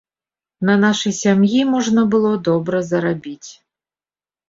На нашай сям'і можна было добра зарабіць.